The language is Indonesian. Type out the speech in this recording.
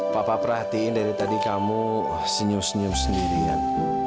papa perhatiin dari tadi kamu senyum senyum sendirian